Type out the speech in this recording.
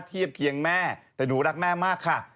เทียบเคียงแม่แต่หนูรักแม่มากค่ะ